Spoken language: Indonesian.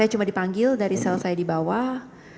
saya cuma dipanggil dari sel saya di bawah